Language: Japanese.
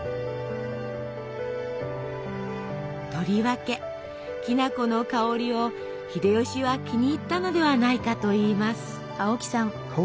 とりわけきな粉の香りを秀吉は気に入ったのではないかといいます。